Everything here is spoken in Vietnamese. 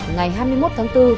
ngày hai mươi một tháng bốn